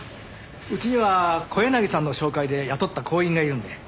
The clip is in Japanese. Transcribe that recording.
うちには小柳さんの紹介で雇った工員がいるんで。